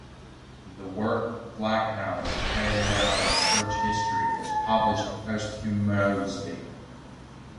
The work Backhouse carried out on church history was published posthumously.